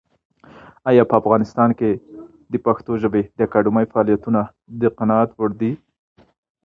ایا په افغانستان کې د پښتو ژبې د اکاډمۍ فعالیتونه د قناعت وړ دي؟